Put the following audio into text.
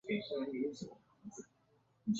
若被刺中则会很痛。